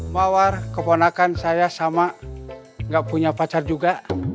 mawar keponakan saya sama nggak punya pacar juga